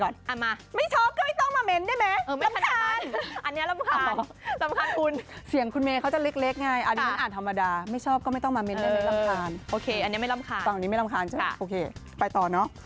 เดี๋ยวพอทำเสียงแบบเมก่อน